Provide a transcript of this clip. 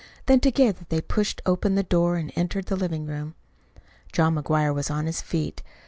Then together they pushed open the door and entered the living room. John McGuire was on his feet.